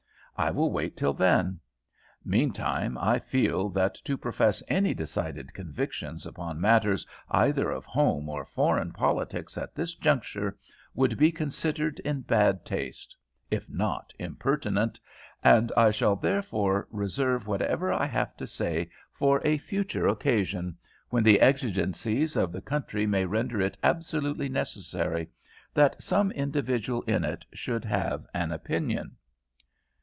I will wait till then. Meantime, I feel that to profess any decided convictions upon matters either of home or foreign politics at this juncture would be considered in bad taste, if not impertinent, and I shall therefore reserve whatever I have to say for a future occasion, when the exigencies of the country may render it absolutely necessary that some individual in it should have an opinion."